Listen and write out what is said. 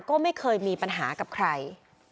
ก็ไม่เคยมีปัญหากับใคร